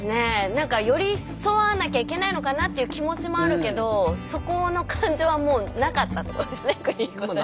何か寄り添わなきゃいけないのかなっていう気持ちもあるけどそこの感情はもうなかったってことですね邦彦さんには。